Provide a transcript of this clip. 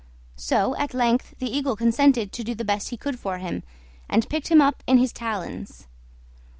So at length the Eagle consented to do the best he could for him, and picked him up in his talons.